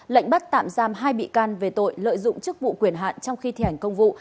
lệnh bắt tạm giam hai bị can về tội lợi dụng chức vụ quyền hạn trong khi thi hành công vụ